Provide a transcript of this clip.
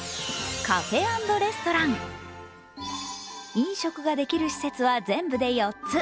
飲食ができる施設は全部で４つ。